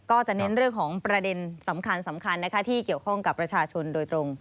ก็จะเน้นเรื่องของประเด็นสำคัญนะคะที่เกี่ยวข้องกับประชาชนโดยตรง